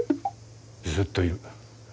ずっといる。